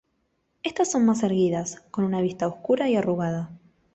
Estas son más erguidas, con una vista oscura y arrugada.